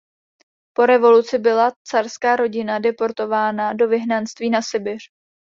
Po revoluci byla carská rodina deportována do vyhnanství na Sibiř.